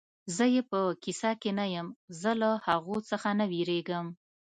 زه یې په کیسه کې نه یم، زه له هغو څخه نه وېرېږم.